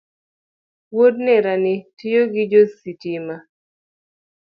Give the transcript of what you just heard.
Wuod nerani tiyo gi jo sitima